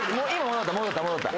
戻った戻った。